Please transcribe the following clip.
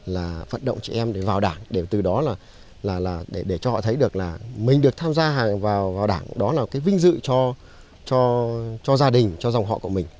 là vận động chị em để vào đảng để từ đó là để cho họ thấy được là mình được tham gia vào đảng đó là cái vinh dự cho gia đình cho dòng họ của mình